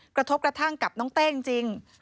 กระทบกระทั่งกับน้องเต้จริง